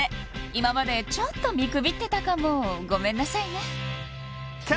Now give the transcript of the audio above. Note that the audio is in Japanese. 今までちょっと見くびってたかもごめんなさいね